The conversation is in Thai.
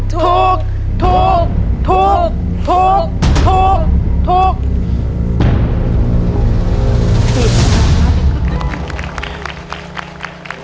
ถูกถูกถูก